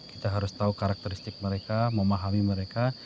kita harus tahu karakteristik mereka memahami mereka